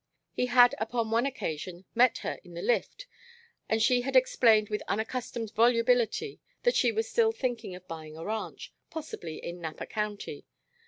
He had upon one occasion met her in the lift and she had explained with unaccustomed volubility that she was still thinking of buying a ranch, possibly in Napa County.